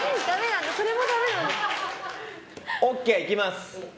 ＯＫ、いきます。